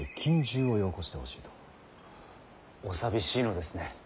お寂しいのですね。